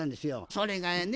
それがやね